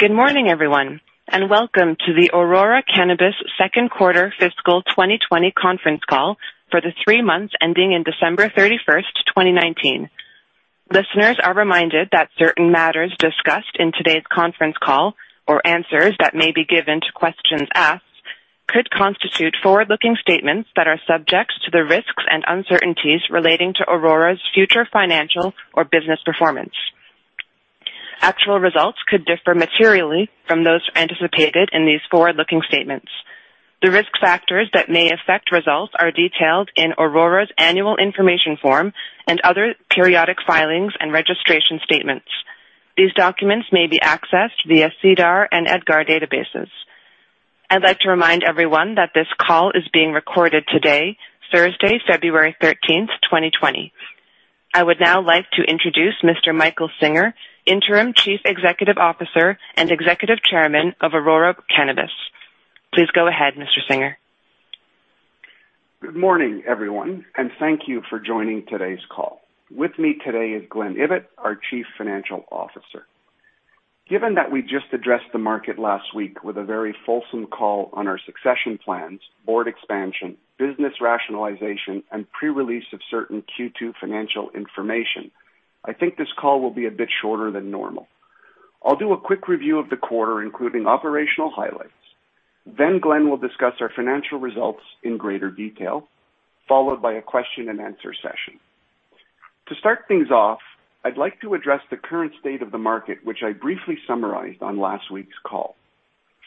Good morning, everyone, and welcome to the Aurora Cannabis Second Quarter Fiscal 2020 Conference Call for the three months ending on December 31st, 2019. Listeners are reminded that certain matters discussed in today's conference call, or answers that may be given to questions asked, could constitute forward-looking statements that are subject to the risks and uncertainties relating to Aurora's future financial or business performance. Actual results could differ materially from those anticipated in these forward-looking statements. The risk factors that may affect results are detailed in Aurora's Annual Information Form and other periodic filings and registration statements. These documents may be accessed via SEDAR and EDGAR databases. I'd like to remind everyone that this call is being recorded today, Thursday, February 13th, 2020. I would now like to introduce Mr. Michael Singer, Interim Chief Executive Officer and Executive Chairman of Aurora Cannabis. Please go ahead, Mr. Singer. Good morning, everyone, and thank you for joining today's call. With me today is Glen Ibbott, our Chief Financial Officer. Given that we just addressed the market last week with a very fulsome call on our succession plans, board expansion, business rationalization, and pre-release of certain Q2 financial information, I think this call will be a bit shorter than normal. I'll do a quick review of the quarter, including operational highlights. Then Glen will discuss our financial results in greater detail, followed by a question-and-answer session. To start things off, I'd like to address the current state of the market, which I briefly summarized on last week's call.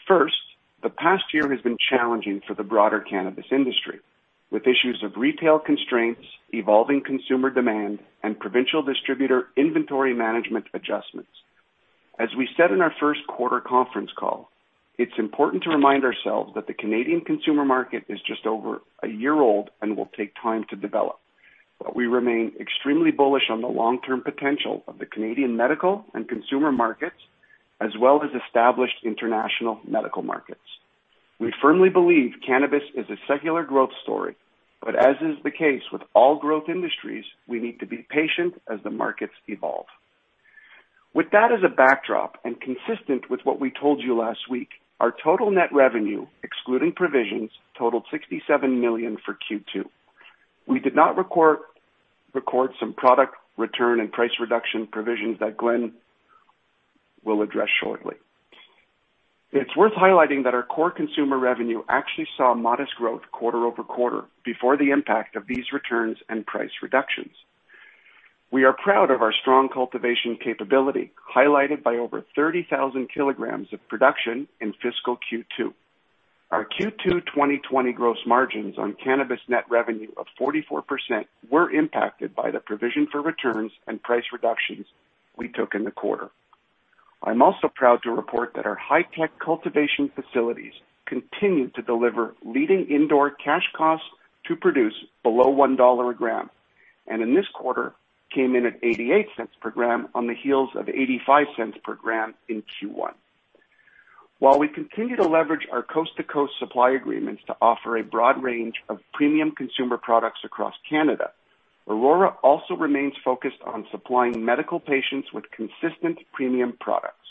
First, the past year has been challenging for the broader cannabis industry, with issues of retail constraints, evolving consumer demand, and provincial distributor inventory management adjustments. As we said in our first quarter conference call, it's important to remind ourselves that the Canadian consumer market is just over a year old and will take time to develop, but we remain extremely bullish on the long-term potential of the Canadian medical and consumer markets, as well as established international medical markets. We firmly believe cannabis is a secular growth story, but as is the case with all growth industries, we need to be patient as the markets evolve. With that as a backdrop and consistent with what we told you last week, our total net revenue, excluding provisions, totaled 67 million for Q2. We did not record some product return and price reduction provisions that Glen will address shortly. It's worth highlighting that our core consumer revenue actually saw modest growth quarter over quarter before the impact of these returns and price reductions. We are proud of our strong cultivation capability, highlighted by over 30,000 kilograms of production in fiscal Q2. Our Q2 2020 gross margins on cannabis net revenue of 44% were impacted by the provision for returns and price reductions we took in the quarter. I'm also proud to report that our high-tech cultivation facilities continue to deliver leading indoor cash costs to produce below 1 dollar a gram, and in this quarter came in at 0.88 per gram on the heels of 0.85 per gram in Q1. While we continue to leverage our coast-to-coast supply agreements to offer a broad range of premium consumer products across Canada, Aurora also remains focused on supplying medical patients with consistent premium products.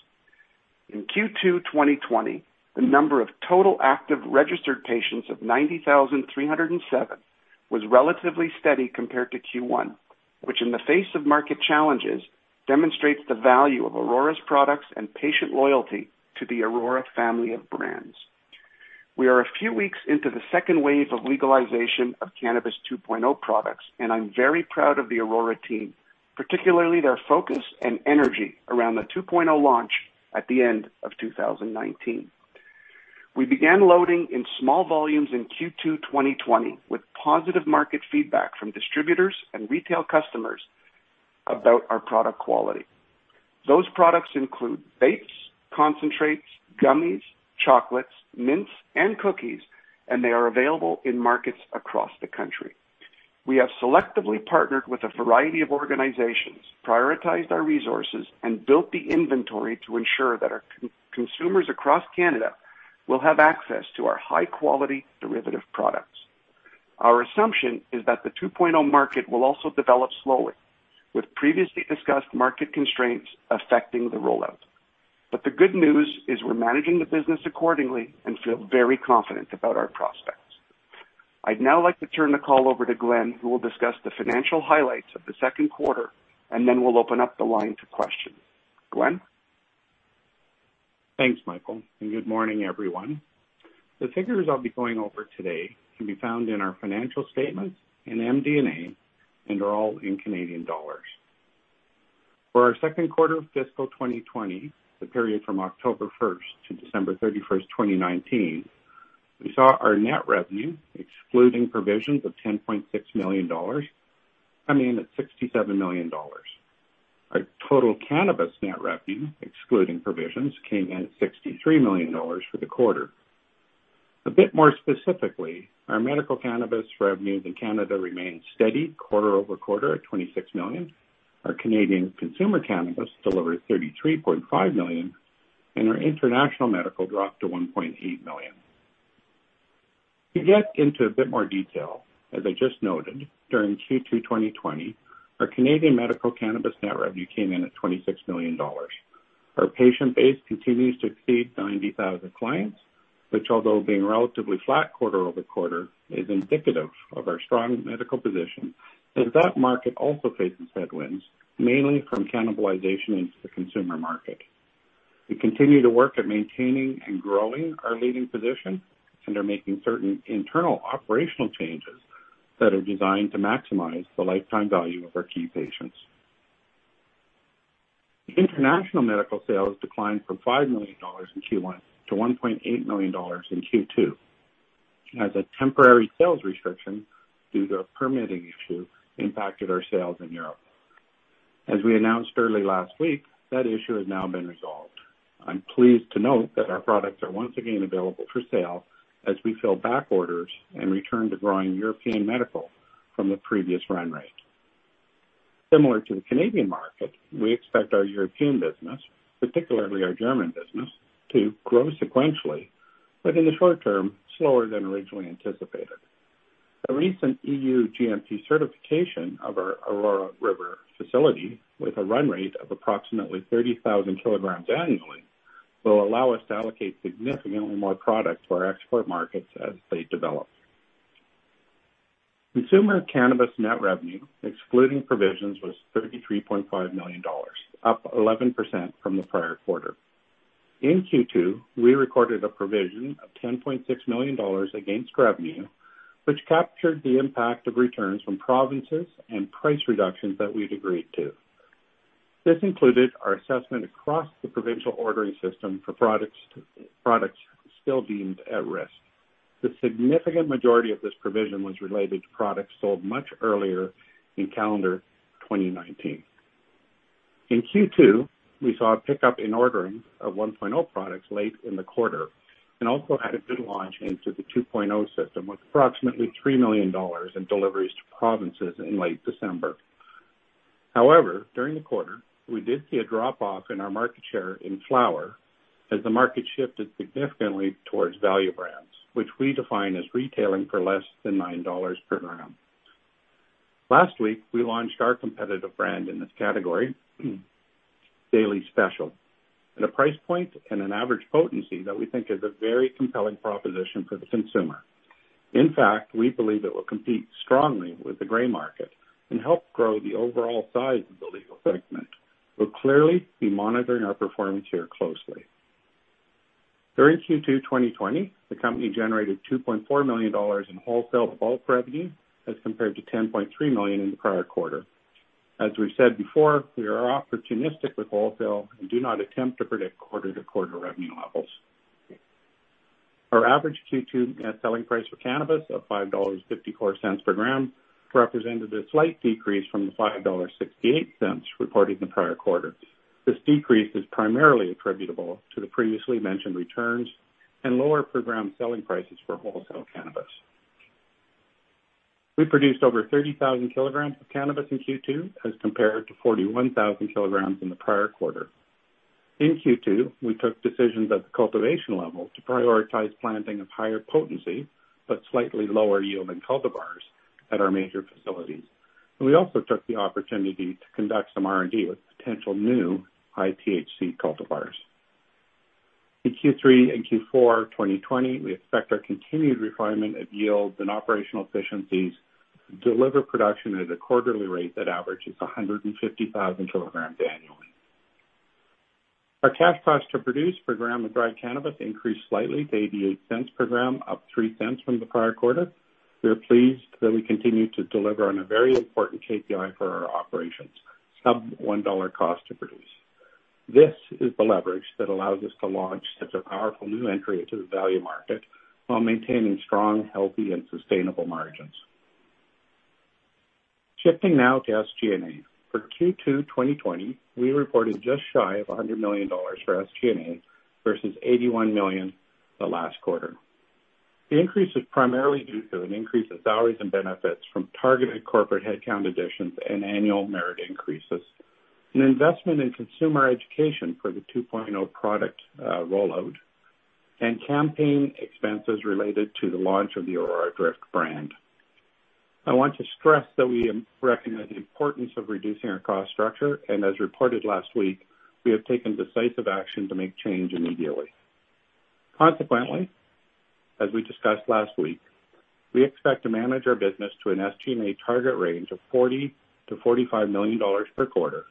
In Q2 2020, the number of total active registered patients of 90,307 was relatively steady compared to Q1, which in the face of market challenges demonstrates the value of Aurora's products and patient loyalty to the Aurora family of brands. We are a few weeks into the second wave of legalization of Cannabis 2.0 products, and I'm very proud of the Aurora team, particularly their focus and energy around the 2.0 launch at the end of 2019. We began loading in small volumes in Q2 2020 with positive market feedback from distributors and retail customers about our product quality. Those products include vapes, concentrates, gummies, chocolates, mints, and cookies, and they are available in markets across the country. We have selectively partnered with a variety of organizations, prioritized our resources, and built the inventory to ensure that our consumers across Canada will have access to our high-quality derivative products. Our assumption is that the 2.0 market will also develop slowly, with previously discussed market constraints affecting the rollout. But the good news is we're managing the business accordingly and feel very confident about our prospects. I'd now like to turn the call over to Glen, who will discuss the financial highlights of the second quarter, and then we'll open up the line to questions. Glen. Thanks, Michael, and good morning, everyone. The figures I'll be going over today can be found in our financial statements and MD&A, and are all in Canadian dollars. For our second quarter fiscal 2020, the period from October 1st to December 31st, 2019, we saw our net revenue, excluding provisions of 10.6 million dollars, come in at 67 million dollars. Our total cannabis net revenue, excluding provisions, came in at 63 million dollars for the quarter. A bit more specifically, our medical cannabis revenue in Canada remained steady quarter over quarter at 26 million. Our Canadian consumer cannabis delivered 33.5 million, and our international medical dropped to 1.8 million. To get into a bit more detail, as I just noted, during Q2 2020, our Canadian medical cannabis net revenue came in at 26 million dollars. Our patient base continues to exceed 90,000 clients, which, although being relatively flat quarter over quarter, is indicative of our strong medical position, as that market also faces headwinds, mainly from cannibalization into the consumer market. We continue to work at maintaining and growing our leading position and are making certain internal operational changes that are designed to maximize the lifetime value of our key patients. International medical sales declined from 5 million dollars in Q1 to 1.8 million dollars in Q2, as a temporary sales restriction due to a permitting issue impacted our sales in Europe. As we announced early last week, that issue has now been resolved. I'm pleased to note that our products are once again available for sale as we fill back orders and return to growing European medical from the previous run rate. Similar to the Canadian market, we expect our European business, particularly our German business, to grow sequentially, but in the short term, slower than originally anticipated. A recent EU GMP certification of our Aurora River facility, with a run rate of approximately 30,000 kilograms annually, will allow us to allocate significantly more product to our export markets as they develop. Consumer cannabis net revenue, excluding provisions, was 33.5 million dollars, up 11% from the prior quarter. In Q2, we recorded a provision of 10.6 million dollars against revenue, which captured the impact of returns from provinces and price reductions that we'd agreed to. This included our assessment across the provincial ordering system for products still deemed at risk. The significant majority of this provision was related to products sold much earlier in calendar 2019. In Q2, we saw a pickup in ordering of 1.0 products late in the quarter and also had a good launch into the 2.0 system with approximately 3 million dollars in deliveries to provinces in late December. However, during the quarter, we did see a drop-off in our market share in flower as the market shifted significantly towards value brands, which we define as retailing for less than 9 dollars per gram. Last week, we launched our competitive brand in this category, Daily Special, at a price point and an average potency that we think is a very compelling proposition for the consumer. In fact, we believe it will compete strongly with the gray market and help grow the overall size of the legal segment. We'll clearly be monitoring our performance here closely. During Q2 2020, the company generated 2.4 million dollars in wholesale bulk revenue as compared to 10.3 million in the prior quarter. As we've said before, we are opportunistic with wholesale and do not attempt to predict quarter-to-quarter revenue levels. Our average Q2 net selling price for cannabis of 5.54 dollars per gram represented a slight decrease from the 5.68 reported in the prior quarter. This decrease is primarily attributable to the previously mentioned returns and lower per gram selling prices for wholesale cannabis. We produced over 30,000 kilograms of cannabis in Q2 as compared to 41,000 kilograms in the prior quarter. In Q2, we took decisions at the cultivation level to prioritize planting of higher potency but slightly lower yielding cultivars at our major facilities. We also took the opportunity to conduct some R&D with potential new high THC cultivars. In Q3 and Q4 2020, we expect our continued refinement of yields and operational efficiencies to deliver production at a quarterly rate that averages 150,000 kilograms annually. Our cash cost to produce per gram of dried cannabis increased slightly to 0.88 per gram, up 0.03 from the prior quarter. We are pleased that we continue to deliver on a very important KPI for our operations: sub-CAD 1 cost to produce. This is the leverage that allows us to launch such a powerful new entry into the value market while maintaining strong, healthy, and sustainable margins. Shifting now to SG&A. For Q2 2020, we reported just shy of 100 million dollars for SG&A versus 81 million the last quarter. The increase is primarily due to an increase in salaries and benefits from targeted corporate headcount additions and annual merit increases, an investment in consumer education for the 2.0 product rollout, and campaign expenses related to the launch of the Aurora Drift brand. I want to stress that we recognize the importance of reducing our cost structure, and as reported last week, we have taken decisive action to make change immediately. Consequently, as we discussed last week, we expect to manage our business to an SG&A target range of $40-$45 million per quarter,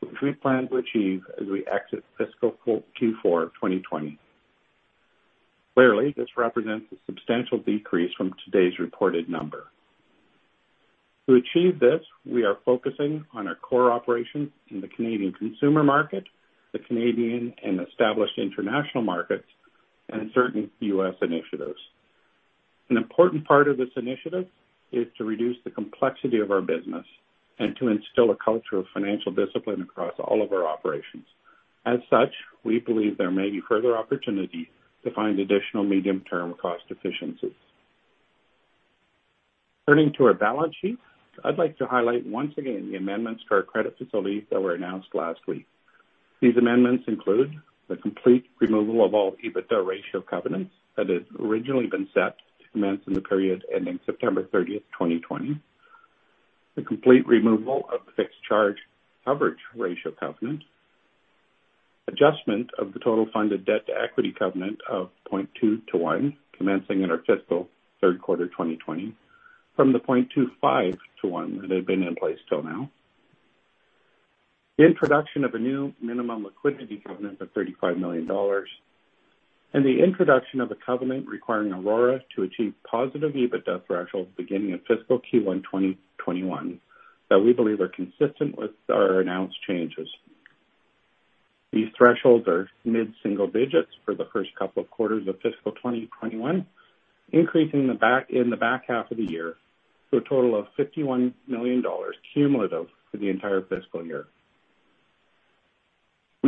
which we plan to achieve as we exit fiscal Q4 2020. Clearly, this represents a substantial decrease from today's reported number. To achieve this, we are focusing on our core operations in the Canadian consumer market, the Canadian and established international markets, and certain U.S. initiatives. An important part of this initiative is to reduce the complexity of our business and to instill a culture of financial discipline across all of our operations. As such, we believe there may be further opportunity to find additional medium-term cost efficiencies. Turning to our balance sheet, I'd like to highlight once again the amendments to our credit facilities that were announced last week. These amendments include the complete removal of all EBITDA ratio covenants that had originally been set to commence in the period ending September 30th, 2020, the complete removal of the fixed charge coverage ratio covenant, adjustment of the total funded debt to equity covenant of 0.2 to 1, commencing in our fiscal third quarter 2020, from the 0.25 to 1 that had been in place till now, the introduction of a new minimum liquidity covenant of 35 million dollars, and the introduction of a covenant requiring Aurora to achieve positive EBITDA thresholds beginning in fiscal Q1 2021 that we believe are consistent with our announced changes. These thresholds are mid-single digits for the first couple of quarters of fiscal 2021, increasing in the back half of the year to a total of 51 million dollars cumulative for the entire fiscal year.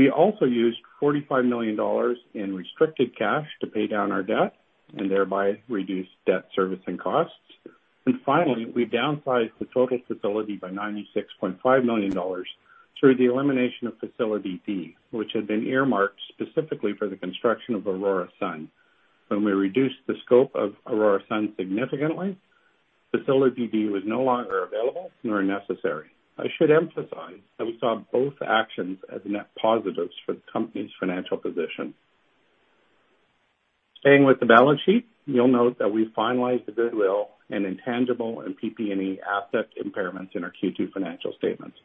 We also used 45 million dollars in restricted cash to pay down our debt and thereby reduce debt servicing costs. And finally, we downsized the total facility by 96.5 million dollars through the elimination of Facility D, which had been earmarked specifically for the construction of Aurora Sun. When we reduced the scope of Aurora Sun significantly, Facility D was no longer available nor necessary. I should emphasize that we saw both actions as net positives for the company's financial position. Staying with the balance sheet, you'll note that we finalized the goodwill and intangible and PP&E asset impairments in our Q2 financial statements,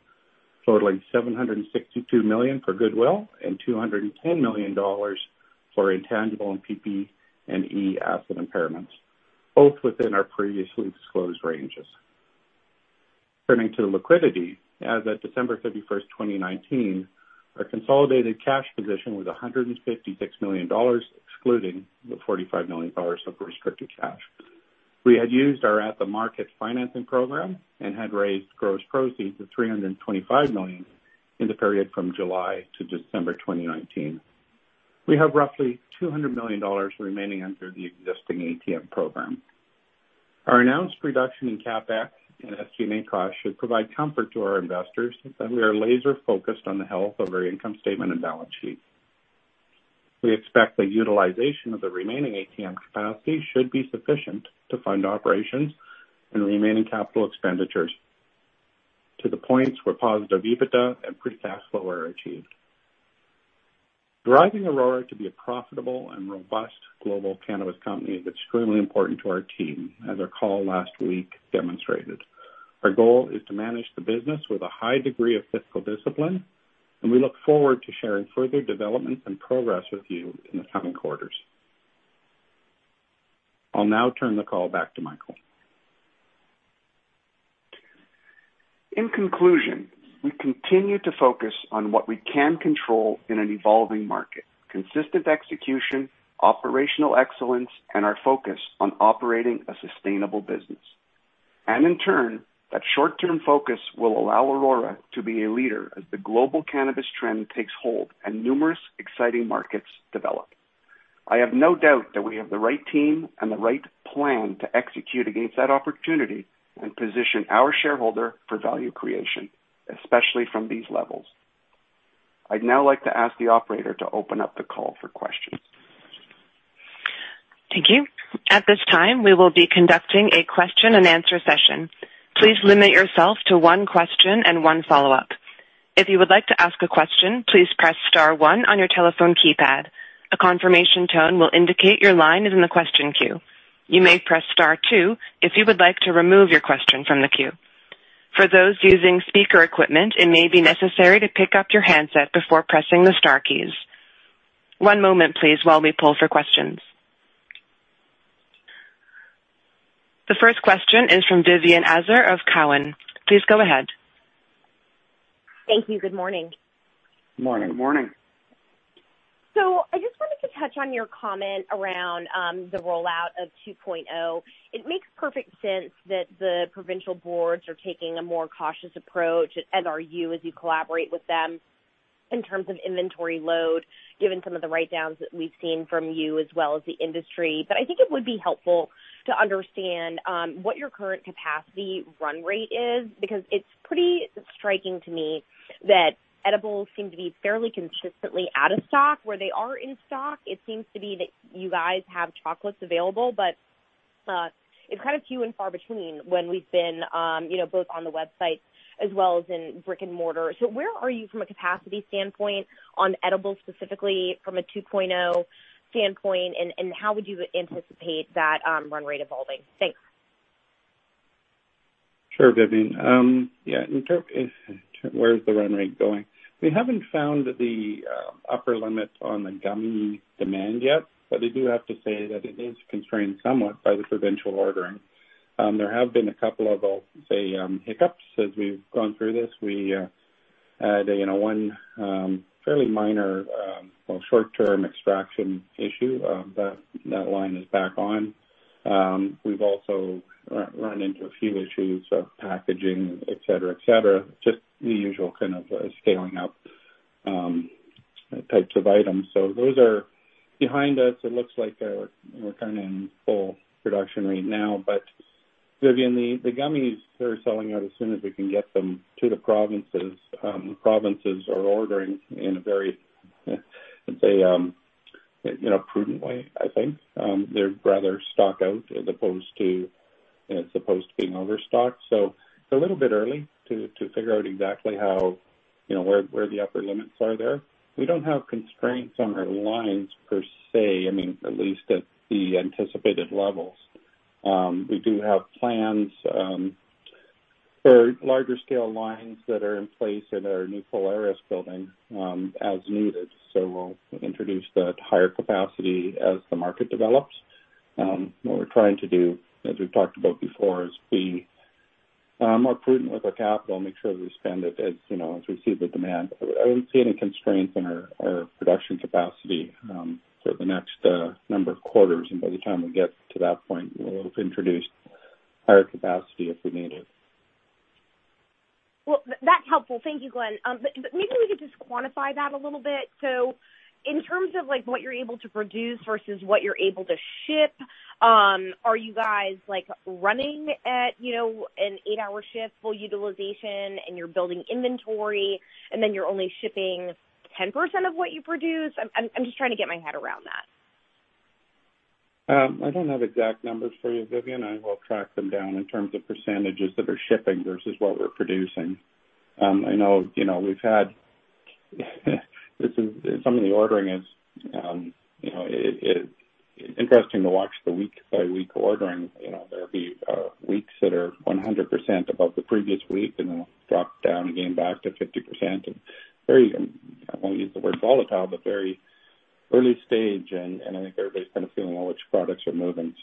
totaling 762 million for goodwill and 210 million dollars for intangible and PP&E asset impairments, both within our previously disclosed ranges. Turning to liquidity, as of December 31st, 2019, our consolidated cash position was 156 million dollars, excluding the 45 million dollars of restricted cash. We had used our at-the-market financing program and had raised gross proceeds of 325 million in the period from July to December 2019. We have roughly 200 million dollars remaining under the existing ATM program. Our announced reduction in CapEx and SG&A costs should provide comfort to our investors that we are laser-focused on the health of our income statement and balance sheet. We expect the utilization of the remaining ATM capacity should be sufficient to fund operations and remaining capital expenditures to the points where positive EBITDA and free cash flow are achieved. Driving Aurora to be a profitable and robust global cannabis company is extremely important to our team, as our call last week demonstrated. Our goal is to manage the business with a high degree of fiscal discipline, and we look forward to sharing further developments and progress with you in the coming quarters. I'll now turn the call back to Michael. In conclusion, we continue to focus on what we can control in an evolving market: consistent execution, operational excellence, and our focus on operating a sustainable business. And in turn, that short-term focus will allow Aurora to be a leader as the global cannabis trend takes hold and numerous exciting markets develop. I have no doubt that we have the right team and the right plan to execute against that opportunity and position our shareholder for value creation, especially from these levels. I'd now like to ask the operator to open up the call for questions. Thank you. At this time, we will be conducting a question-and-answer session. Please limit yourself to one question and one follow-up. If you would like to ask a question, please press Star 1 on your telephone keypad. A confirmation tone will indicate your line is in the question queue. You may press Star 2 if you would like to remove your question from the queue. For those using speaker equipment, it may be necessary to pick up your handset before pressing the Star keys. One moment, please, while we pull for questions. The first question is from Vivian Azer of Cowen. Please go ahead. Thank you. Good morning. Good morning. Good morning. So I just wanted to touch on your comment around the rollout of 2.0. It makes perfect sense that the provincial boards are taking a more cautious approach, as are you as you collaborate with them in terms of inventory load, given some of the write-downs that we've seen from you as well as the industry. But I think it would be helpful to understand what your current capacity run rate is because it's pretty striking to me that edibles seem to be fairly consistently out of stock. Where they are in stock, it seems to be that you guys have chocolates available, but it's kind of few and far between when we've been both on the website as well as in brick-and-mortar. So where are you from a capacity standpoint on edibles specifically from a 2.0 standpoint, and how would you anticipate that run rate evolving? Thanks. Sure, Vivian. Yeah. Where's the run rate going? We haven't found the upper limit on the gummy demand yet, but I do have to say that it is constrained somewhat by the provincial ordering. There have been a couple of, I'll say, hiccups as we've gone through this. We had one fairly minor, well, short-term extraction issue. That line is back on. We've also run into a few issues of packaging, etc., etc., just the usual kind of scaling-up types of items. So those are behind us. It looks like we're kind of in full production right now. But Vivian, the gummies, they're selling out as soon as we can get them to the provinces. The provinces are ordering in a very, I'd say, prudent way, I think. They'd rather stock out as opposed to being overstocked. So it's a little bit early to figure out exactly how or where the upper limits are there. We don't have constraints on our lines per se, I mean, at least at the anticipated levels. We do have plans for larger-scale lines that are in place in our new Polaris building as needed. So we'll introduce that higher capacity as the market develops. What we're trying to do, as we've talked about before, is be more prudent with our capital and make sure that we spend it as we see the demand. I don't see any constraints in our production capacity for the next number of quarters. And by the time we get to that point, we'll have introduced higher capacity if we need it. That's helpful. Thank you, Glen. Maybe we could just quantify that a little bit. In terms of what you're able to produce versus what you're able to ship, are you guys running at an eight-hour shift full utilization, and you're building inventory, and then you're only shipping 10% of what you produce? I'm just trying to get my head around that. I don't have exact numbers for you, Vivian. I will track them down in terms of percentages that are shipping versus what we're producing. I know we've had some of the ordering is interesting to watch the week-by-week ordering. There will be weeks that are 100% above the previous week, and then it'll drop down again back to 50%. Very, I won't use the word volatile, but very early stage, and I think everybody's kind of feeling how much products are moving.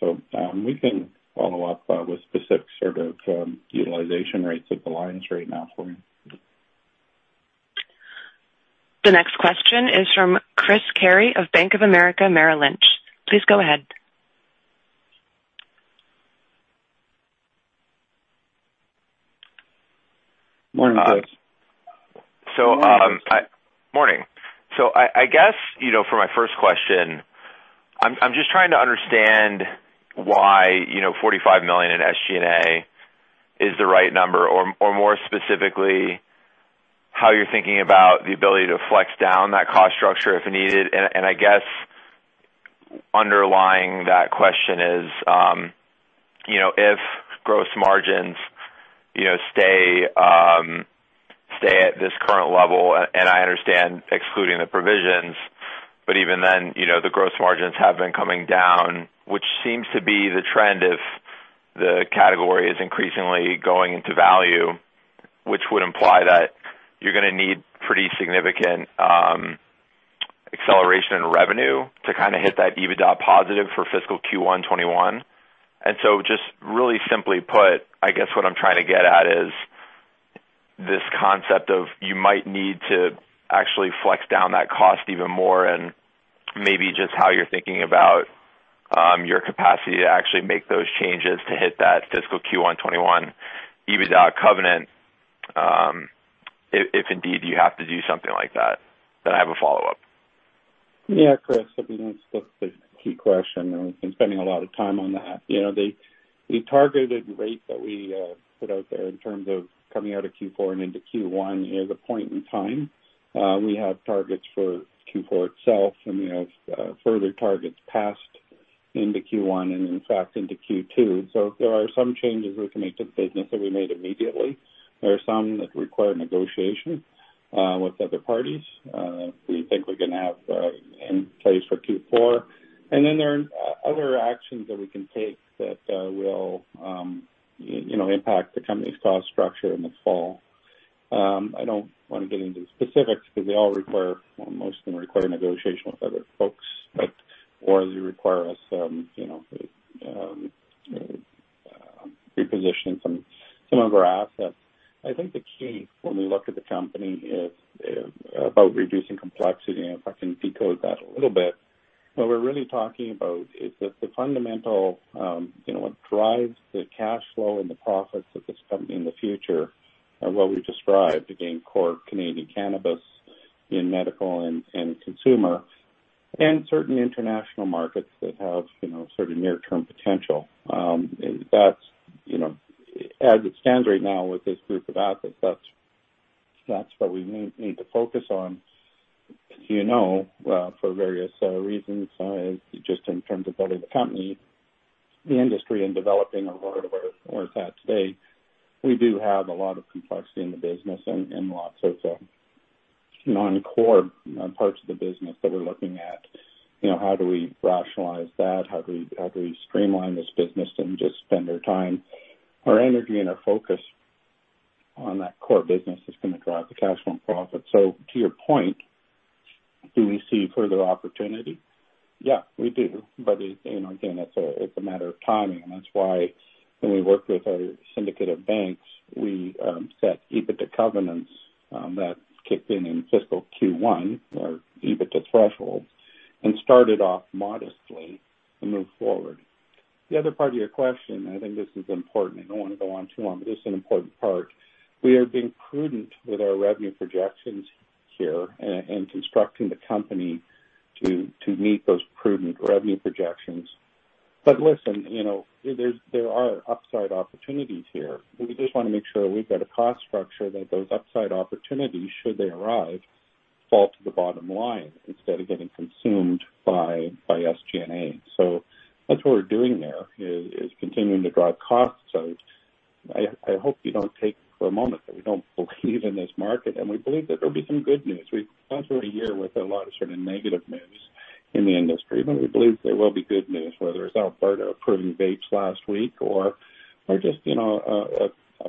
We can follow up with specific sort of utilization rates of the lines right now for you. The next question is from Chris Carey of Bank of America Merrill Lynch. Please go ahead. Morning, Chris. Hi. Morning. I guess for my first question, I'm just trying to understand why 45 million in SG&A is the right number, or more specifically, how you're thinking about the ability to flex down that cost structure if needed. I guess underlying that question is if gross margins stay at this current level, and I understand excluding the provisions, but even then the gross margins have been coming down, which seems to be the trend if the category is increasingly going into value, which would imply that you're going to need pretty significant acceleration in revenue to kind of hit that EBITDA positive for fiscal Q1 2021. So just really simply put, I guess what I'm trying to get at is this concept of you might need to actually flex down that cost even more and maybe just how you're thinking about your capacity to actually make those changes to hit that fiscal Q1 2021 EBITDA covenant if indeed you have to do something like that. Then I have a follow-up. Yeah, Chris, I think that's the key question. We've been spending a lot of time on that. The targeted rate that we put out there in terms of coming out of Q4 and into Q1 is a point in time. We have targets for Q4 itself, and we have further targets past into Q1 and, in fact, into Q2. So there are some changes we can make to the business that we made immediately. There are some that require negotiation with other parties. We think we're going to have in place for Q4. And then there are other actions that we can take that will impact the company's cost structure in the fall. I don't want to get into the specifics because they all require, most of them require negotiation with other folks, or they require us repositioning some of our assets. I think the key when we look at the company is about reducing complexity, and if I can decode that a little bit, what we're really talking about is that the fundamental what drives the cash flow and the profits of this company in the future are what we described: the main core Canadian cannabis in medical and consumer and certain international markets that have sort of near-term potential. As it stands right now with this group of assets, that's what we need to focus on for various reasons. Just in terms of building the company, the industry, and developing Aurora where it's at today, we do have a lot of complexity in the business and lots of non-core parts of the business that we're looking at. How do we rationalize that? How do we streamline this business and just spend our time? Our energy and our focus on that core business is going to drive the cash flow and profits. So to your point, do we see further opportunity? Yeah, we do. But again, it's a matter of timing. And that's why when we worked with our syndicate of banks, we set EBITDA covenants that kicked in in fiscal Q1, our EBITDA thresholds, and started off modestly and moved forward. The other part of your question, I think this is important. I don't want to go on too long, but this is an important part. We are being prudent with our revenue projections here and constructing the company to meet those prudent revenue projections. But listen, there are upside opportunities here. We just want to make sure we've got a cost structure that those upside opportunities, should they arrive, fall to the bottom line instead of getting consumed by SG&A. So that's what we're doing there is continuing to drive costs out. I hope you don't take for a moment that we don't believe in this market, and we believe that there'll be some good news. We've gone through a year with a lot of sort of negative news in the industry, but we believe there will be good news, whether it's Alberta approving vapes last week or just a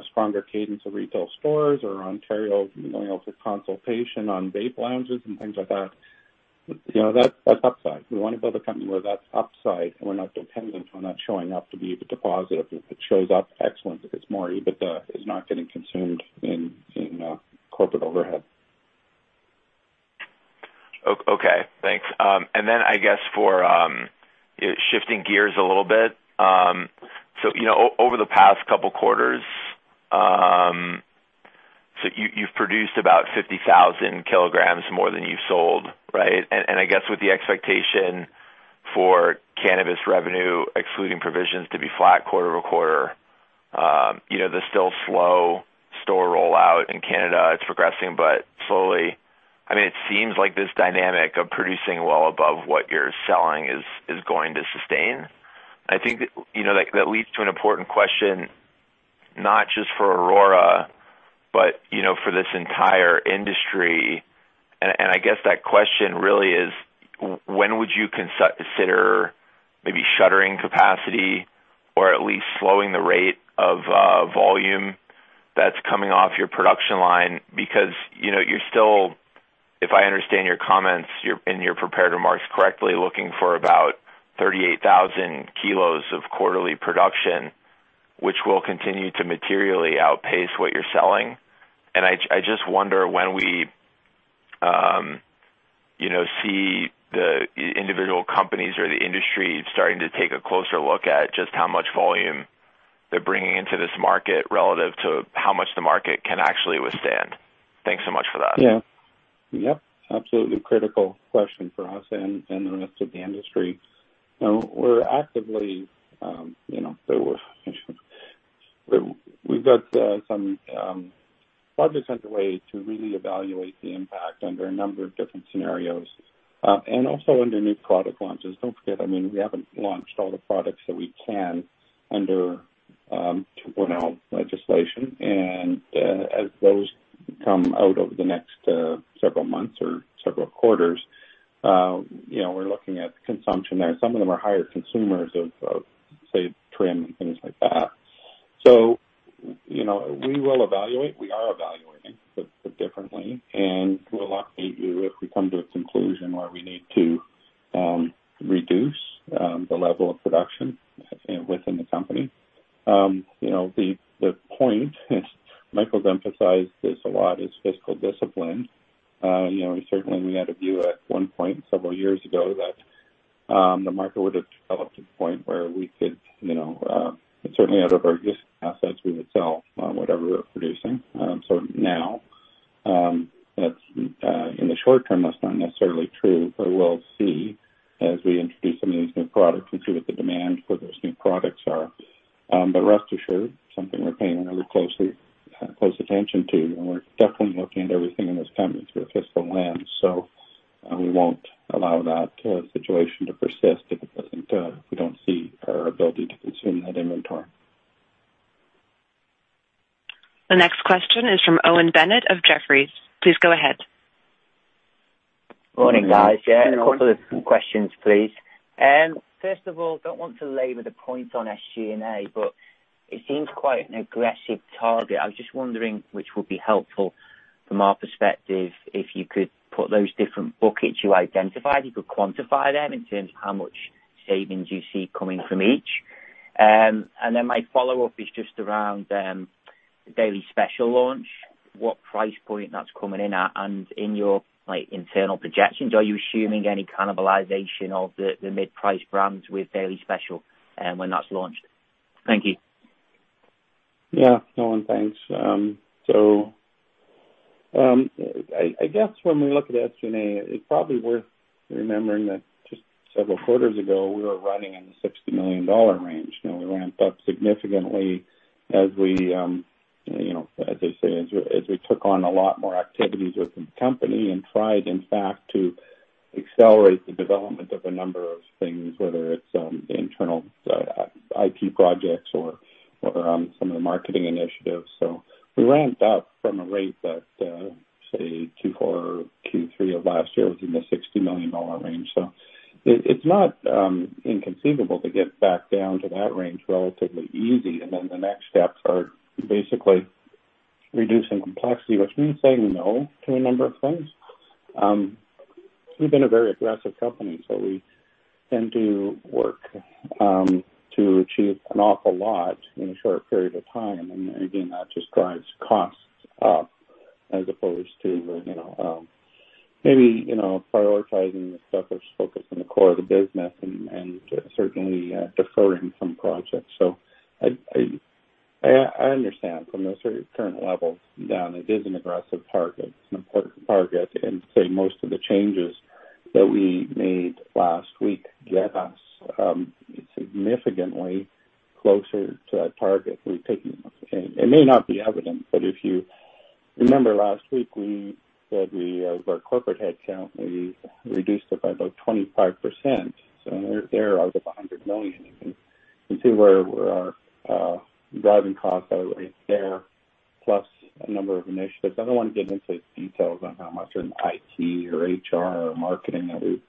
stronger cadence of retail stores or Ontario going out for consultation on vape lounges and things like that. That's upside. We want to build a company where that's upside and we're not dependent on that showing up to be EBITDA positive. If it shows up, excellent. If it's more EBITDA, it's not getting consumed in corporate overhead. Okay. Thanks. And then I guess for shifting gears a little bit, so over the past couple of quarters, so you've produced about 50,000 kilograms more than you've sold, right? And I guess with the expectation for cannabis revenue, excluding provisions, to be flat quarter over quarter, the still slow store rollout in Canada, it's progressing, but slowly, I mean, it seems like this dynamic of producing well above what you're selling is going to sustain. I think that leads to an important question, not just for Aurora, but for this entire industry. And I guess that question really is, when would you consider maybe shuttering capacity or at least slowing the rate of volume that's coming off your production line? Because you're still, if I understand your comments and your prepared remarks correctly, looking for about 38,000 kilos of quarterly production, which will continue to materially outpace what you're selling, and I just wonder when we see the individual companies or the industry starting to take a closer look at just how much volume they're bringing into this market relative to how much the market can actually withstand. Thanks so much for that. Yeah. Yep. Absolutely critical question for us and the rest of the industry. We're actively. We've got some projects underway to really evaluate the impact under a number of different scenarios and also under new product launches. Don't forget, I mean, we haven't launched all the products that we can under 2.0 legislation. And as those come out over the next several months or several quarters, we're looking at consumption there. Some of them are higher consumers of, say, trim and things like that. So we will evaluate. We are evaluating differently, and we'll update you if we come to a conclusion where we need to reduce the level of production within the company. The point, as Michael has emphasized this a lot, is fiscal discipline. Certainly, we had a view at one point several years ago that the market would have developed to the point where we could certainly, out of our existing assets, we would sell whatever we're producing. So now, in the short term, that's not necessarily true, but we'll see as we introduce some of these new products and see what the demand for those new products are. But rest assured, something we're paying really close attention to, and we're definitely looking at everything in this company through a fiscal lens. So we won't allow that situation to persist if we don't see our ability to consume that inventory. The next question is from Owen Bennett of Jefferies. Please go ahead. Morning, guys. Yeah, questions, please. First of all, I don't want to belabor the points on SG&A, but it seems quite an aggressive target. I was just wondering, which would be helpful from our perspective, if you could put those different buckets you identified, you could quantify them in terms of how much savings you see coming from each. And then my follow-up is just around the Daily Special launch, what price point that's coming in at, and in your internal projections, are you assuming any cannibalization of the mid-price brands with Daily Special when that's launched? Thank you. Yeah. No one, thanks. So I guess when we look at SG&A, it's probably worth remembering that just several quarters ago, we were running in the 60 million dollar range. We ramped up significantly as we, as they say, as we took on a lot more activities within the company and tried, in fact, to accelerate the development of a number of things, whether it's internal IP projects or some of the marketing initiatives. So we ramped up from a rate that, say, Q4 or Q3 of last year was in the 60 million dollar range. So, it's not inconceivable to get back down to that range relatively easy. And then the next steps are basically reducing complexity, which means saying no to a number of things. We've been a very aggressive company, so we tend to work to achieve an awful lot in a short period of time. And again, that just drives costs up as opposed to maybe prioritizing the stuff that's focused on the core of the business and certainly deferring some projects. So, I understand from the current level down, it is an aggressive target. It's an important target. And say most of the changes that we made last week get us significantly closer to that target. It may not be evident, but if you remember last week, we said with our corporate headcount, we reduced it by about 25%. So there out of 100 million. You can see where we're driving costs that way there, plus a number of initiatives. I don't want to get into details on how much in IT or HR or marketing that we've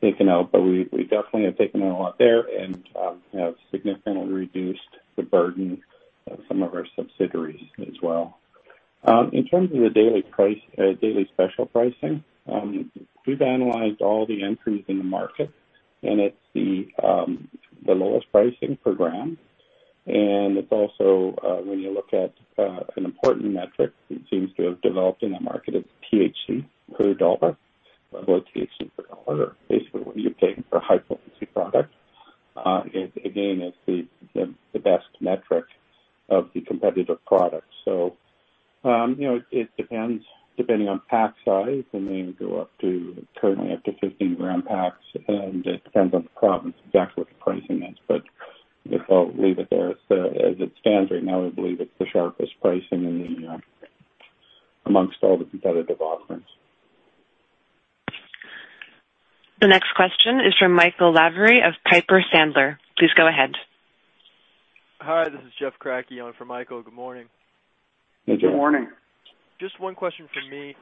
taken out, but we definitely have taken out a lot there and have significantly reduced the burden of some of our subsidiaries as well. In terms of the Daily Special pricing, we've analyzed all the entries in the market, and it's the lowest pricing per gram, and it's also when you look at an important metric that seems to have developed in that market, it's THC per dollar, level of THC per dollar, or basically what you're paying for a high-efficiency product. Again, it's the best metric of the competitive product. So, it depends on pack size. They go up to currently 15-gram packs, and it depends on the province exactly what the pricing is. But I'll leave it there as it stands right now. I believe it's the sharpest pricing amongst all the competitive offerings. The next question is from Michael Lavery of Piper Sandler. Please go ahead. Hi, this is Jeff Craker. Calling for Michael. Good morning. Good morning. Just one question from me.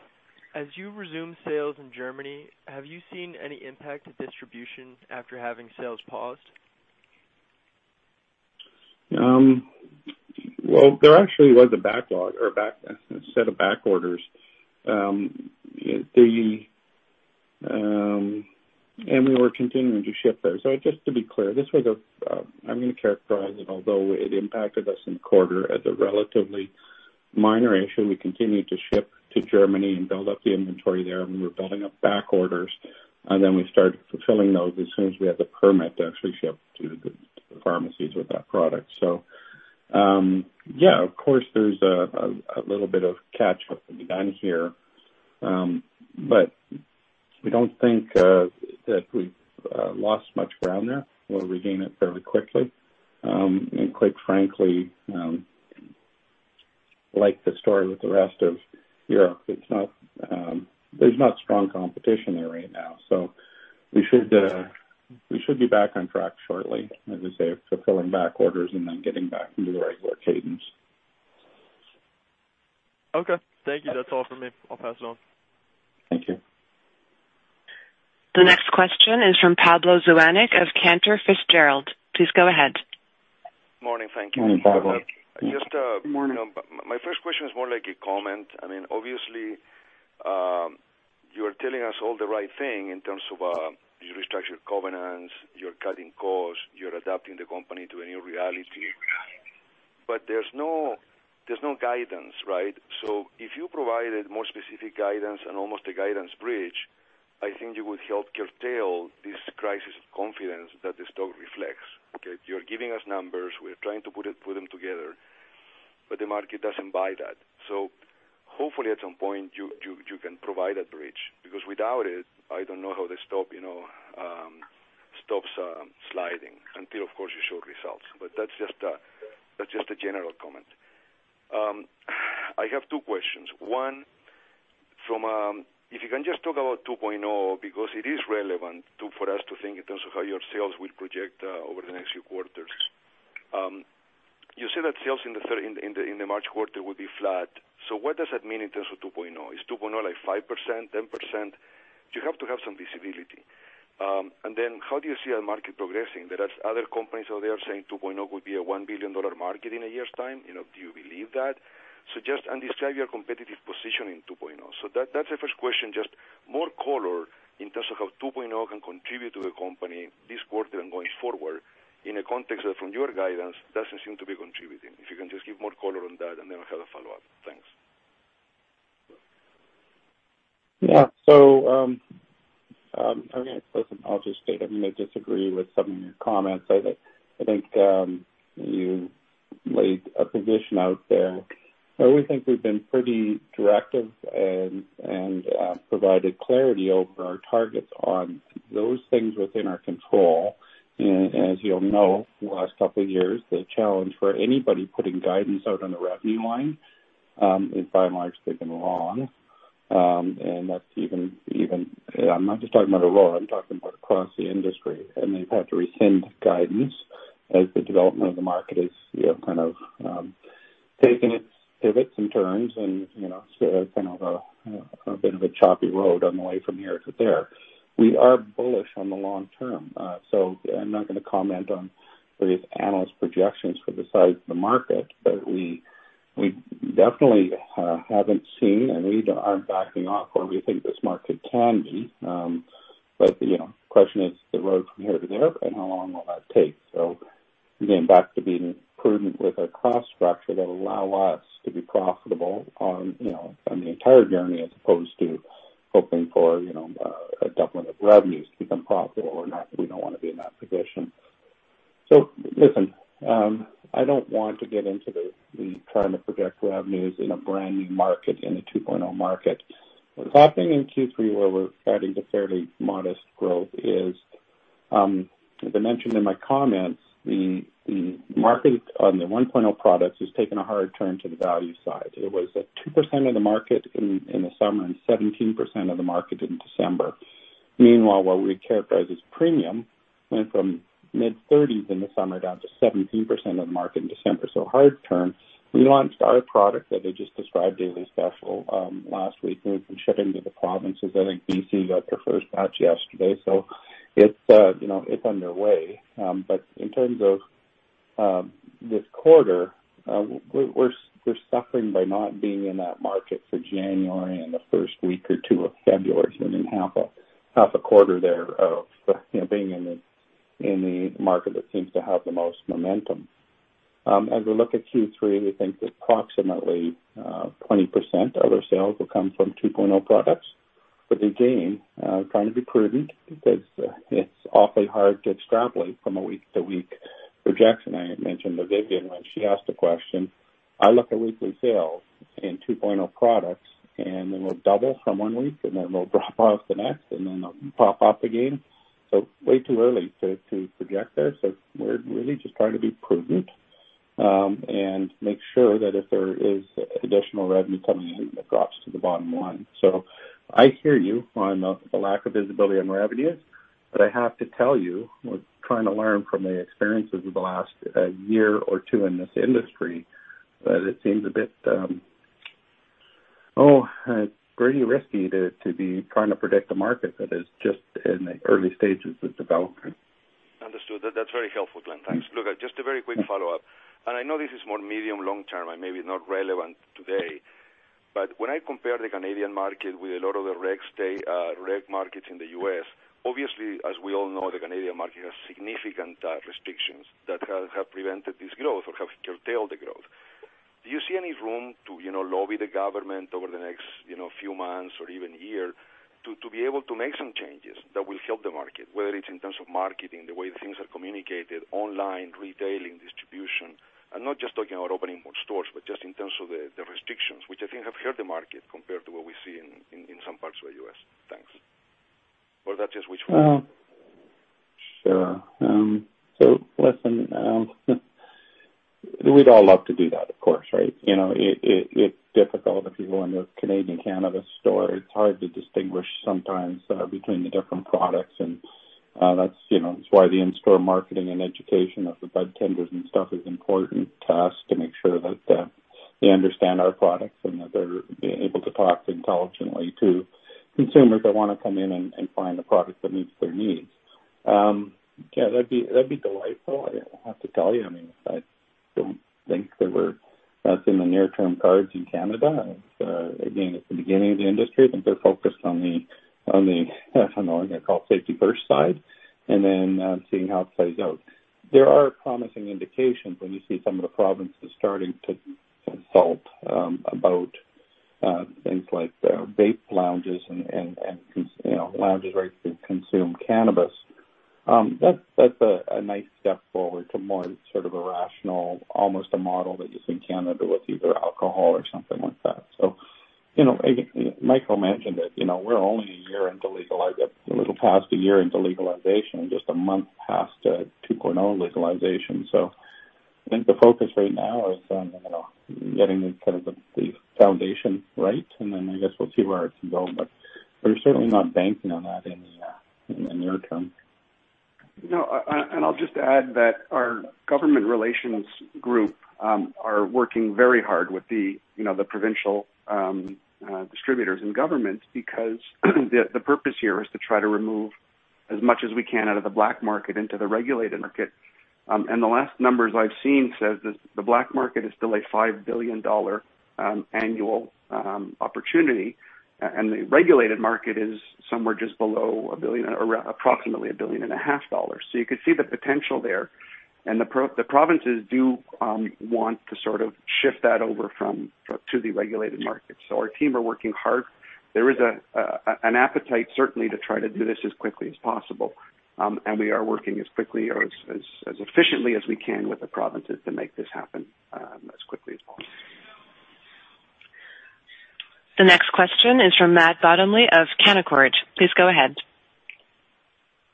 As you resume sales in Germany, have you seen any impact to distribution after having sales paused? There actually was a backlog or a set of back orders. We were continuing to ship there. Just to be clear, this was a, I'm going to characterize it, although it impacted us in the quarter as a relatively minor issue. We continued to ship to Germany and build up the inventory there, and we were building up back orders. Then we started fulfilling those as soon as we had the permit to actually ship to the pharmacies with that product. Yeah, of course, there's a little bit of catch-up to be done here, but we don't think that we've lost much ground there. We'll regain it fairly quickly. Quite frankly, like the story with the rest of Europe, there's not strong competition there right now. So we should be back on track shortly, as I say, fulfilling back orders and then getting back into the regular cadence. Okay. Thank you. That's all for me. I'll pass it on. Thank you. The next question is from Pablo Zuanic of Cantor Fitzgerald. Please go ahead. Morning. Thank you. Morning, Pablo. Just my first question is more like a comment. I mean, obviously, you are telling us all the right thing in terms of you restructured covenants, you're cutting costs, you're adapting the company to a new reality. But there's no guidance, right? So if you provided more specific guidance and almost a guidance bridge, I think you would help curtail this crisis of confidence that the stock reflects. Okay? You're giving us numbers. We're trying to put them together, but the market doesn't buy that. So hopefully, at some point, you can provide a bridge because without it, I don't know how the stock stops sliding until, of course, you show results. But that's just a general comment. I have two questions. One, if you can just talk about 2.0 because it is relevant for us to think in terms of how your sales will project over the next few quarters. You said that sales in the March quarter would be flat. So what does that mean in terms of 2.0? Is 2.0 like 5%, 10%? You have to have some visibility. And then how do you see the market progressing? There are other companies out there saying 2.0 could be a 1 billion dollar market in a year's time. Do you believe that? So just describe your competitive position in 2.0. So that's the first question, just more color in terms of how 2.0 can contribute to the company this quarter and going forward in a context that, from your guidance, doesn't seem to be contributing. If you can just give more color on that, and then I'll have a follow-up. Thanks. Yeah, so I'll just say I may disagree with some of your comments. I think you laid a position out there. I always think we've been pretty directive and provided clarity over our targets on those things within our control, and as you'll know, the last couple of years, the challenge for anybody putting guidance out on the revenue line is, by and large, taken along, and that's even, I'm not just talking about Aurora. I'm talking about across the industry, and they've had to rescind guidance as the development of the market has kind of taken its pivots and turns and kind of a bit of a choppy road on the way from here to there. We are bullish on the long term. So I'm not going to comment on various analyst projections for the size of the market, but we definitely haven't seen, and we aren't backing off where we think this market can be. But the question is the road from here to there and how long will that take? So again, back to being prudent with our cost structure that will allow us to be profitable on the entire journey as opposed to hoping for a doubling of revenues to become profitable. We don't want to be in that position. So listen, I don't want to get into the trying to project revenues in a brand new market in the 2.0 market. What's happening in Q3, where we're adding to fairly modest growth, is, as I mentioned in my comments, the market on the 1.0 products has taken a hard turn to the value side. It was at 2% of the market in the summer and 17% of the market in December. Meanwhile, what we characterize as premium went from mid-30s in the summer down to 17% of the market in December. So a hard turn. We launched our product that I just described, Daily Special, last week, and we've been shipping to the provinces. I think BC got their first batch yesterday. So it's underway. But in terms of this quarter, we're suffering by not being in that market for January and the first week or two of February. We're in half a quarter there of being in the market that seems to have the most momentum. As we look at Q3, we think that approximately 20% of our sales will come from 2.0 products. But again, trying to be prudent because it's awfully hard to extrapolate from a week-to-week projection. I mentioned to Vivian when she asked a question, "I look at weekly sales in 2.0 products, and then we'll double from one week, and then we'll drop off the next, and then they'll pop up again." So way too early to project there. So we're really just trying to be prudent and make sure that if there is additional revenue coming in, it drops to the bottom line. So I hear you on the lack of visibility on revenues, but I have to tell you, we're trying to learn from the experiences of the last year or two in this industry that it seems a bit, oh, it's pretty risky to be trying to predict a market that is just in the early stages of development. Understood. That's very helpful, Glen. Thanks. Look, just a very quick follow-up. And I know this is more medium-long term, and maybe not relevant today, but when I compare the Canadian market with a lot of the rec markets in the US, obviously, as we all know, the Canadian market has significant restrictions that have prevented this growth or have curtailed the growth. Do you see any room to lobby the government over the next few months or even year to be able to make some changes that will help the market, whether it's in terms of marketing, the way things are communicated, online, retailing, distribution, and not just talking about opening more stores, but just in terms of the restrictions, which I think have hurt the market compared to what we see in some parts of the US? Thanks. Or that's just which one? Sure. So, listen, we'd all love to do that, of course, right? It's difficult if you go into a Canadian cannabis store. It's hard to distinguish sometimes between the different products. And that's why the in-store marketing and education of the budtenders and stuff is important to us to make sure that they understand our products and that they're able to talk intelligently to consumers that want to come in and find a product that meets their needs. Yeah, that'd be delightful. I have to tell you, I mean, I don't think that's in the near-term cards in Canada. Again, it's the beginning of the industry. I think they're focused on the, I don't know, I'm going to call it safety-first side, and then seeing how it plays out. There are promising indications when you see some of the provinces starting to consult about things like vape lounges and lounges where you can consume cannabis. That's a nice step forward to more sort of a rational, almost a model that you see in Canada with either alcohol or something like that. So Michael, I mentioned that we're only a year into legalization, a little past a year into legalization, just a month past 2.0 legalization. So I think the focus right now is on getting kind of the foundation right, and then I guess we'll see where it can go. But we're certainly not banking on that in the near term. I'll just add that our government relations group are working very hard with the provincial distributors and governments because the purpose here is to try to remove as much as we can out of the black market into the regulated market. The last numbers I've seen say the black market is still a 5 billion dollar annual opportunity, and the regulated market is somewhere just below a billion, approximately 1.5 billion. You could see the potential there. The provinces do want to sort of shift that over to the regulated market. Our team are working hard. There is an appetite, certainly, to try to do this as quickly as possible. We are working as quickly or as efficiently as we can with the provinces to make this happen as quickly as possible. The next question is from Matt Bottomley of Canaccord Genuity. Please go ahead.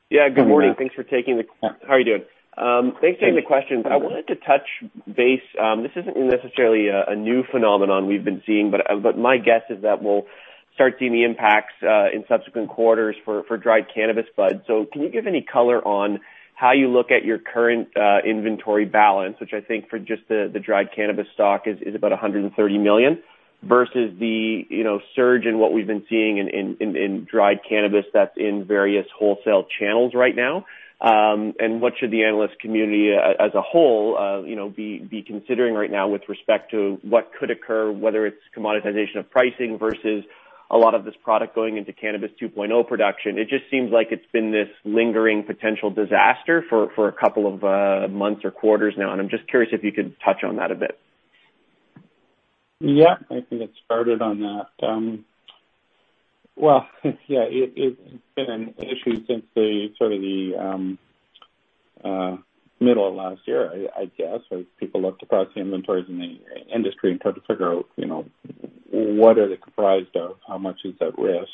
Yeah. Good morning. Thanks for taking the. How are you doing? Thanks for taking the question. I wanted to touch base. This isn't necessarily a new phenomenon we've been seeing, but my guess is that we'll start seeing the impacts in subsequent quarters for dried cannabis buds. So can you give any color on how you look at your current inventory balance, which I think for just the dried cannabis stock is about 130 million versus the surge in what we've been seeing in dried cannabis that's in various wholesale channels right now? And what should the analyst community as a whole be considering right now with respect to what could occur, whether it's commoditization of pricing versus a lot of this product going into Cannabis 2.0 production? It just seems like it's been this lingering potential disaster for a couple of months or quarters now. I'm just curious if you could touch on that a bit? Yeah. I think it started on that. Well, yeah, it's been an issue since sort of the middle of last year, I guess, as people looked across the inventories in the industry and tried to figure out what are they comprised of, how much is at risk.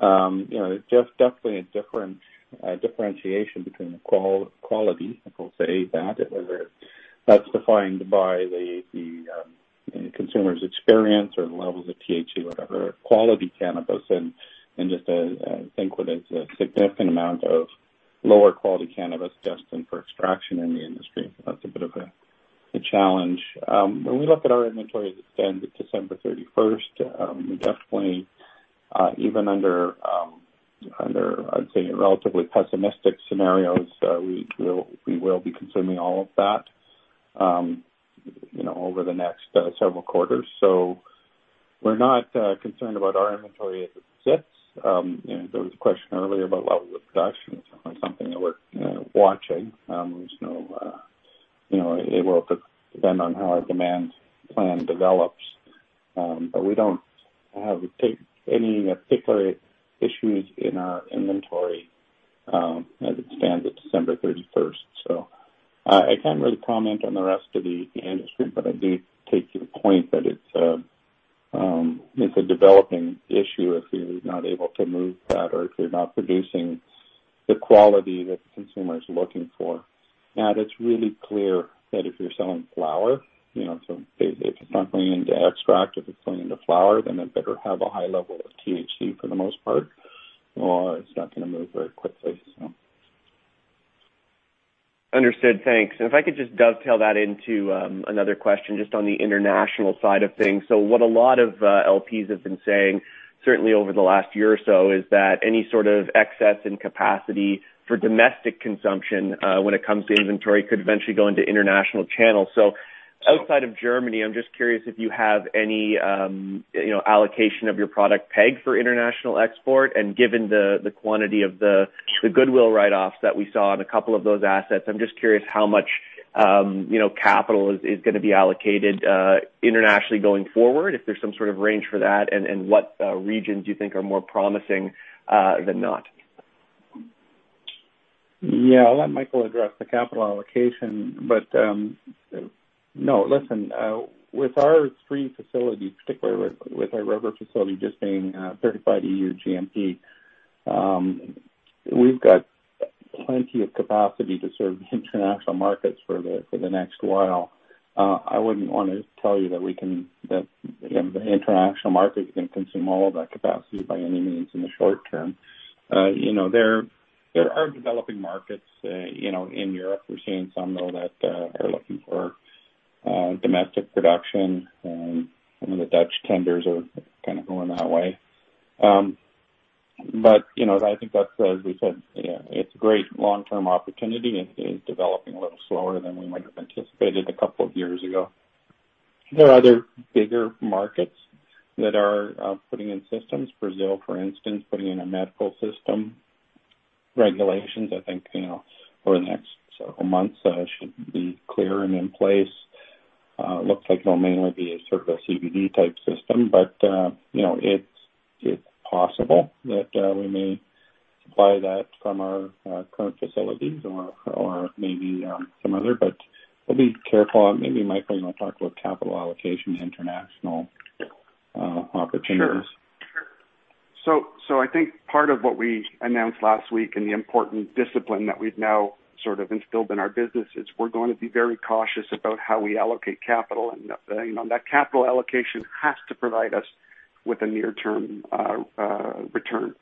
There's definitely a differentiation between the quality, if we'll say that, whether that's defined by the consumer's experience or the levels of THC, whatever, quality cannabis, and just I think what is a significant amount of lower quality cannabis just for extraction in the industry. That's a bit of a challenge. When we look at our inventory that's as of December 31st, definitely, even under, I'd say, relatively pessimistic scenarios, we will be consuming all of that over the next several quarters. So we're not concerned about our inventory as it sits. There was a question earlier about levels of production. It's certainly something that we're watching. It will depend on how our demand plan develops. But we don't have any particular issues in our inventory as it stands at December 31st. So I can't really comment on the rest of the industry, but I do take your point that it's a developing issue if you're not able to move that or if you're not producing the quality that the consumer is looking for. Now, it's really clear that if you're selling flower, so if it's not going into extract, if it's going into flower, then it better have a high level of THC for the most part, or it's not going to move very quickly, so. Understood. Thanks. And if I could just dovetail that into another question just on the international side of things. So what a lot of LPs have been saying, certainly over the last year or so, is that any sort of excess in capacity for domestic consumption when it comes to inventory could eventually go into international channels. So outside of Germany, I'm just curious if you have any allocation of your product peg for international export. And given the quantity of the goodwill write-offs that we saw on a couple of those assets, I'm just curious how much capital is going to be allocated internationally going forward, if there's some sort of range for that, and what regions you think are more promising than not. Yeah. I'll let Michael address the capital allocation. But no, listen, with our three facilities, particularly with our river facility just being certified EU GMP, we've got plenty of capacity to serve international markets for the next while. I wouldn't want to tell you that the international market is going to consume all of that capacity by any means in the short term. There are developing markets in Europe. We're seeing some of that are looking for domestic production. Some of the Dutch tenders are kind of going that way. But I think that's, as we said, it's a great long-term opportunity. It is developing a little slower than we might have anticipated a couple of years ago. There are other bigger markets that are putting in systems. Brazil, for instance, putting in a medical system regulations. I think over the next several months, it should be clear and in place. Looks like it'll mainly be sort of a CBD-type system, but it's possible that we may supply that from our current facilities or maybe some other. But we'll be careful. Maybe Michael talked about capital allocation international opportunities. Sure. So I think part of what we announced last week and the important discipline that we've now sort of instilled in our business is we're going to be very cautious about how we allocate capital. And that capital allocation has to provide us with a near-term return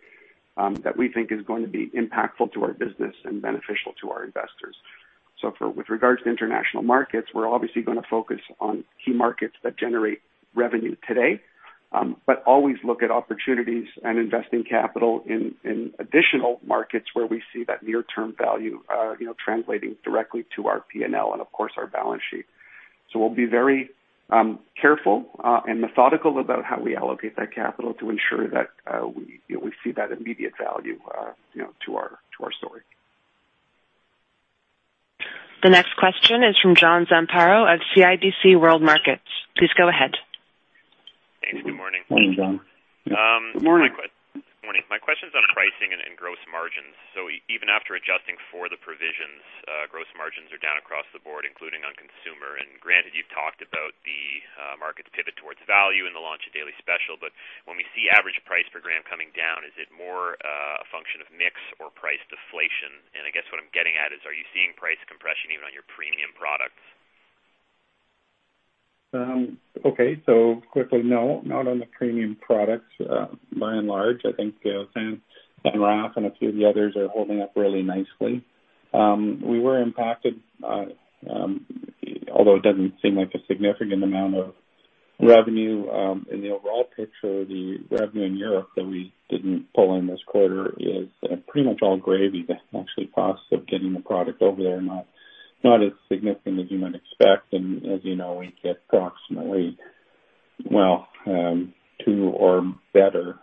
that we think is going to be impactful to our business and beneficial to our investors. So with regards to international markets, we're obviously going to focus on key markets that generate revenue today, but always look at opportunities and investing capital in additional markets where we see that near-term value translating directly to our P&L and, of course, our balance sheet. So we'll be very careful and methodical about how we allocate that capital to ensure that we see that immediate value to our story. The next question is from John Zamparo of CIBC World Markets. Please go ahead. Hey. Good morning. Morning, John. Good morning. My question's on pricing and gross margins. So even after adjusting for the provisions, gross margins are down across the board, including on consumer. And granted, you've talked about the market's pivot towards value and the launch of Daily Special. But when we see average price per gram coming down, is it more a function of mix or price deflation? And I guess what I'm getting at is, are you seeing price compression even on your premium products? Okay. So, quickly, no. Not on the premium products. By and large, I think San Raf and a few of the others are holding up really nicely. We were impacted, although it doesn't seem like a significant amount of revenue. In the overall picture, the revenue in Europe that we didn't pull in this quarter is pretty much all gravy. The actual cost of getting the product over there is not as significant as you might expect. And as you know, we get approximately, well, two or better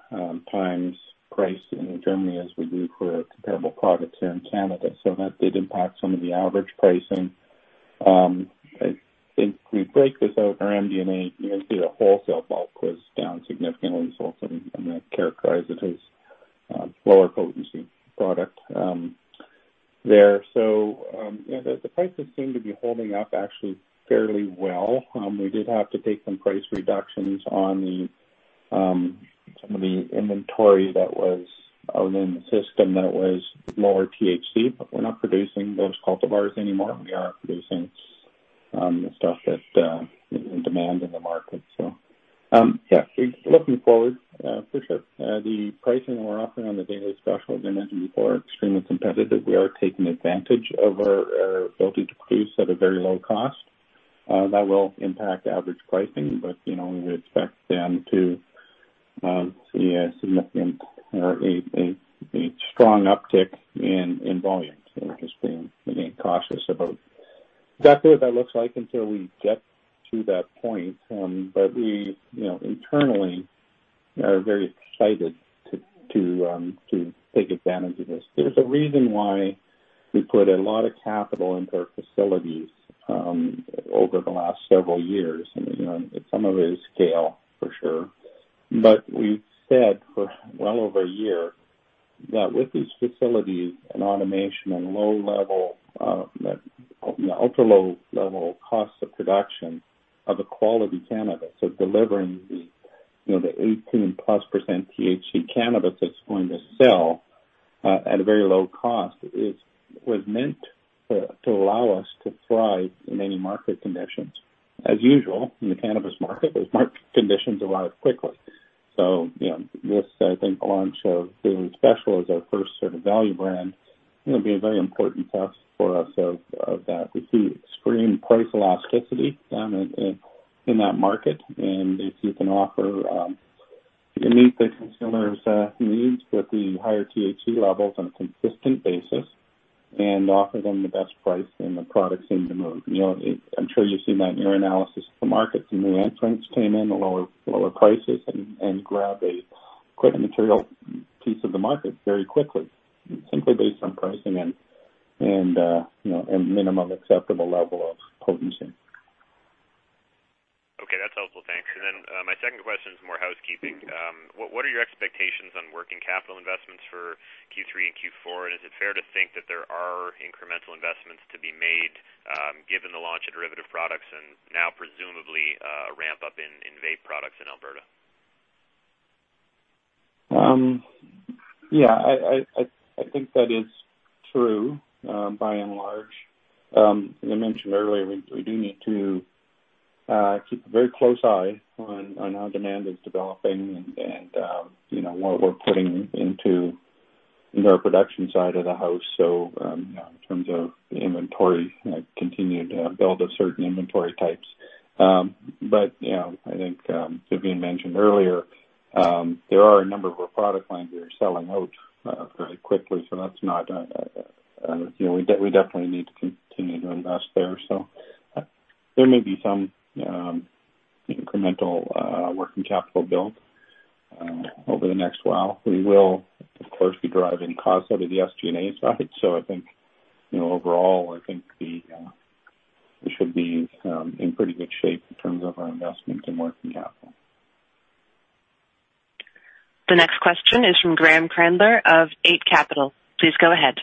times price in Germany as we do for comparable products here in Canada. So that did impact some of the average pricing. I think we break this out in our MD&A. You can see the wholesale bulk was down significantly. So, I'm going to characterize it as lower potency product there. So, the prices seem to be holding up actually fairly well. We did have to take some price reductions on some of the inventory that was in the system that was lower THC, but we're not producing those cultivars anymore. We are producing the stuff that demand in the market. So yeah, looking forward for sure. The pricing that we're offering on the Daily Special, as I mentioned before, is extremely competitive. We are taking advantage of our ability to produce at a very low cost. That will impact average pricing, but we would expect them to see a significant or a strong uptick in volume. So, we're just being cautious about exactly what that looks like until we get to that point. But we internally are very excited to take advantage of this. There's a reason why we put a lot of capital into our facilities over the last several years. Some of it is scale, for sure. We've said for well over a year that with these facilities and automation and low-level, ultra-low-level costs of production of a quality cannabis, of delivering the 18+% THC cannabis that's going to sell at a very low cost, was meant to allow us to thrive in any market conditions. As usual in the cannabis market, those market conditions arrive quickly. This, I think, launch of Daily Special as our first sort of value brand will be a very important test for us of that. We see extreme price elasticity in that market. And if you can offer, you can meet the consumer's needs with the higher THC levels on a consistent basis and offer them the best price, then the product seems to move. I'm sure you've seen that in your analysis of the market. Some new entrants came in, lower prices, and grabbed a quick material piece of the market very quickly, simply based on pricing and minimum acceptable level of potency. Okay. That's helpful. Thanks. And then my second question is more housekeeping. What are your expectations on working capital investments for Q3 and Q4? And is it fair to think that there are incremental investments to be made given the launch of derivative products and now presumably a ramp-up in vape products in Alberta? Yeah. I think that is true by and large. As I mentioned earlier, we do need to keep a very close eye on how demand is developing and what we're putting into our production side of the house. So, in terms of the inventory, continue to build a certain inventory type. But I think, as we mentioned earlier, there are a number of our product lines that are selling out very quickly. So that's not we definitely need to continue to invest there. So, there may be some incremental working capital built over the next while. We will, of course, be driving costs out of the SG&A side. So, I think overall, I think we should be in pretty good shape in terms of our investment in working capital. The next question is from Graeme Kreindler of Eight Capital. Please go ahead.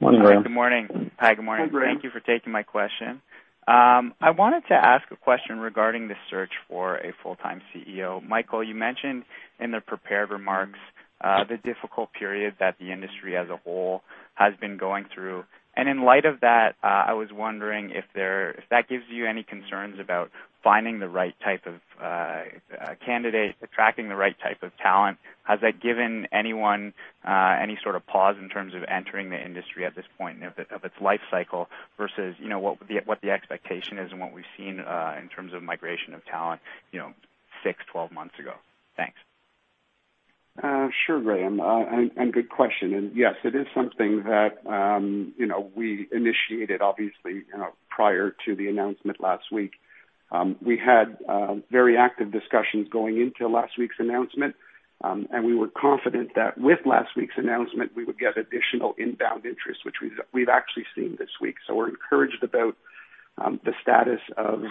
Morning, Graeme. Hi. Good morning. Hi. Good morning. Hi, Graeme. Thank you for taking my question. I wanted to ask a question regarding the search for a full-time CEO. Michael, you mentioned in the prepared remarks the difficult period that the industry as a whole has been going through, and in light of that, I was wondering if that gives you any concerns about finding the right type of candidate, attracting the right type of talent. Has that given anyone any sort of pause in terms of entering the industry at this point of its life cycle versus what the expectation is and what we've seen in terms of migration of talent six, 12 months ago? Thanks. Sure, Graeme. Good question. Yes, it is something that we initiated, obviously, prior to the announcement last week. We had very active discussions going into last week's announcement, and we were confident that with last week's announcement, we would get additional inbound interest, which we've actually seen this week. So, we're encouraged about the status of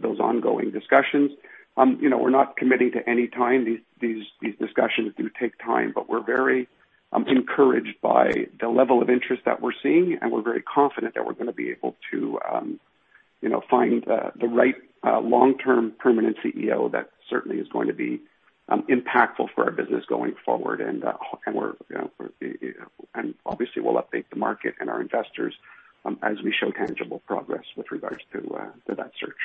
those ongoing discussions. We're not committing to any time. These discussions do take time, but we're very encouraged by the level of interest that we're seeing, and we're very confident that we're going to be able to find the right long-term permanent CEO that certainly is going to be impactful for our business going forward. Obviously, we'll update the market and our investors as we show tangible progress with regards to that search.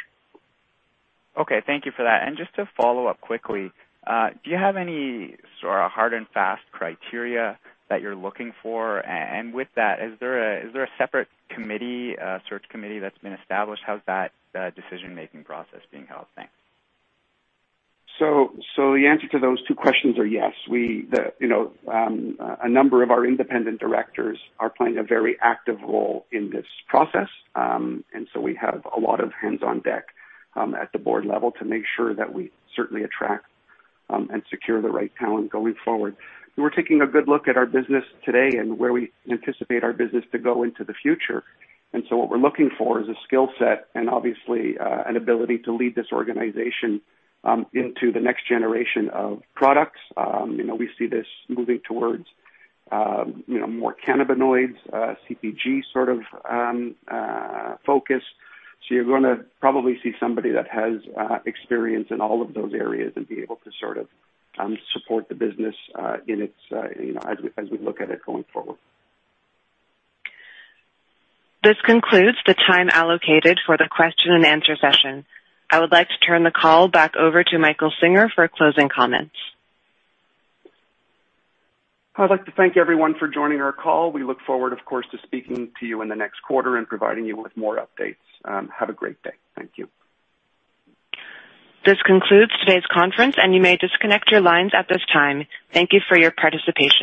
Okay. Thank you for that. And just to follow up quickly, do you have any sort of hard and fast criteria that you're looking for? And with that, is there a separate search committee that's been established? How's that decision-making process being held? Thanks. So, the answer to those two questions are yes. A number of our independent directors are playing a very active role in this process. And so, we have a lot of hands-on deck at the board level to make sure that we certainly attract and secure the right talent going forward. We're taking a good look at our business today and where we anticipate our business to go into the future. And so, what we're looking for is a skill set and obviously an ability to lead this organization into the next generation of products. We see this moving towards more cannabinoids, CPG sort of focus. So, you're going to probably see somebody that has experience in all of those areas and be able to sort of support the business in its as we look at it going forward. This concludes the time allocated for the question-and-answer session. I would like to turn the call back over to Michael Singer for closing comments. I'd like to thank everyone for joining our call. We look forward, of course, to speaking to you in the next quarter and providing you with more updates. Have a great day. Thank you. This concludes today's conference, and you may disconnect your lines at this time. Thank you for your participation.